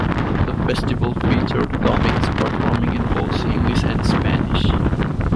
The festival featured comics performing in both English and Spanish.